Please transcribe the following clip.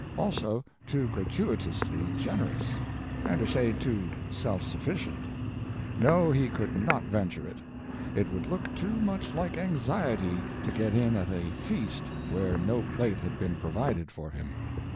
Also too gratuitously generous. And a shade too self sufficient. No, he could not venture it. It would look too much like anxiety to get in at a feast where no plate had been provided for him.